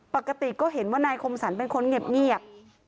ปกติก็เห็นว่านายคมสรรเป็นคนเงียบ